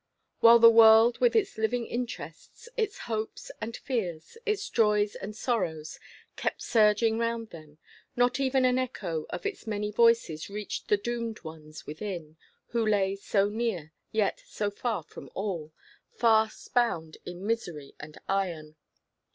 While the world, with its living interests, its hopes and fears, its joys and sorrows, kept surging round them, not even an echo of its many voices reached the doomed ones within, who lay so near, yet so far from all, "fast bound in misery and iron."